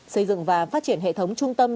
xây dựng và phát triển hệ thống trung tâm